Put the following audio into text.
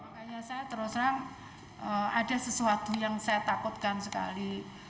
makanya saya terus terang ada sesuatu yang saya takutkan sekali